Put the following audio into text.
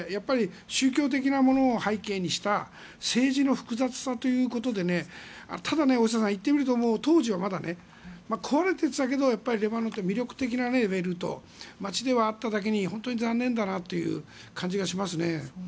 宗教的なものを背景にした政治の複雑さということでただ、言ってみると当時は壊れていたけどレバノンって魅力的な街ではあっただけに本当に残念な感じがします。